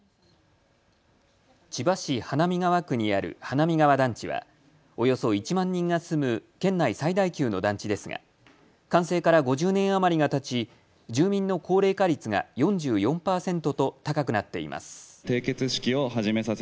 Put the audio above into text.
千葉市花見川区にある花見川団地はおよそ１万人が住む県内最大級の団地ですが、完成から５０年余りがたち住民の高齢化率が４４％と高くなっています。